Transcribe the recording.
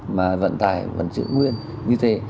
mà vận tải vẫn sửa nguyên như thế